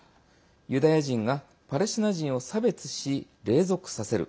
ユダヤ人がパレスチナ人を差別し隷属させる